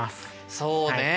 そうね。